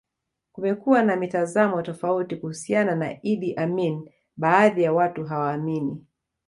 Kumekuwa na mitazamo tofauti kuhusiana na Idi Amin baadhi ya watu hawaamini